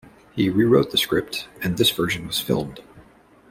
He rewrote the script, and this version was filmed.